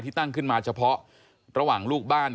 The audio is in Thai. ตั้งขึ้นมาเฉพาะระหว่างลูกบ้าน